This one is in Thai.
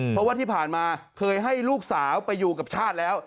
เพราะว่าที่ผ่านมาเคยให้ลูกสาวไปอยู่กับชาติแล้ว